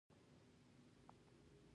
سرتیری د وطن ساتونکی دی